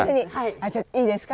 じゃいいですか？